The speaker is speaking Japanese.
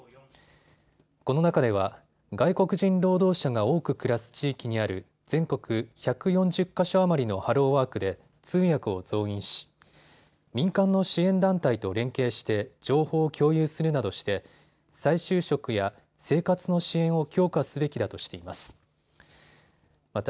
この中では外国人労働者が多く暮らす地域にある全国１４０か所余りのハローワークで通訳を増員し民間の支援団体と連携して情報を共有するなどして再就職や生活の支援を強化すべきだとしています。